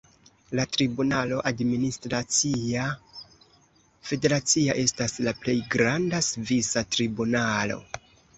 La tribunalo administracia federacia estas la plej granda svisa tribunalo.